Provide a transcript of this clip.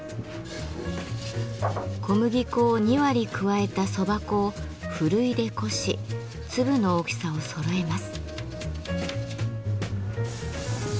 小麦粉を２割加えた蕎麦粉をふるいで漉し粒の大きさをそろえます。